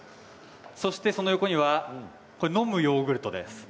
そして、その横には飲むヨーグルトです。